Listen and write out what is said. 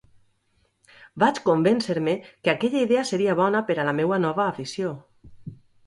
Vaig convéncer-me que aquella idea seria bona per a la meua nova afició.